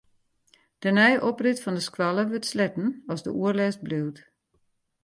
De nije oprit fan de skoalle wurdt sletten as de oerlêst bliuwt.